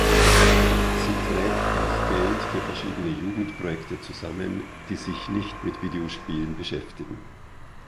Sie trägt auch Geld für verschiedene Jugendprojekte zusammen, die sich nicht mit Videospielen beschäftigen.